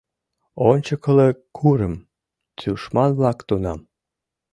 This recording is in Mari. «Ончыкылык курым?» — тушман-влак тунам